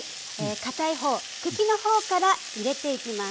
かたい方茎の方から入れていきます。